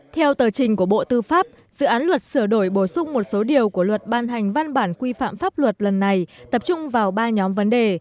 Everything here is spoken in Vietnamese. theo tờ trình của bộ tư pháp dự án luật sửa đổi bổ sung một số điều của luật ban hành văn bản quy phạm pháp luật lần này tập trung vào ba nhóm vấn đề